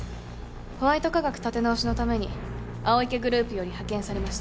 ホワイト化学立て直しのために青池グループより派遣されました。